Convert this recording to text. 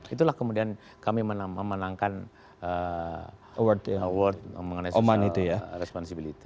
itulah kemudian kami memenangkan award mengenai responsibility